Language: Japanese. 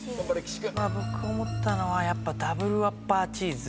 まあ僕思ったのはやっぱダブルワッパーチーズ。